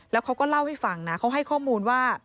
แล้วเขาก็เล่าให้ฟังนะเขาให้ข้อมูลว่า